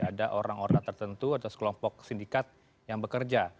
ada orang orang tertentu atau sekelompok sindikat yang bekerja